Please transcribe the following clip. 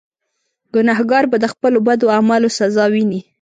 ګناهکار به د خپلو بدو اعمالو سزا ویني.